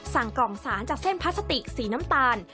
กล่องสารจากเส้นพลาสติกสีน้ำตาล